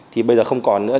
thì bây giờ không còn nữa